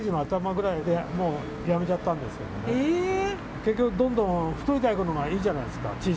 結局どんどん太い大根のほうがいいじゃないですか。